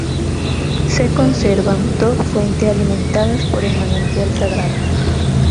Se conservan dos fuentes alimentadas por el manantial sagrado.